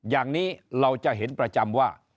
อย่างนี้เราจะเห็นประจำว่า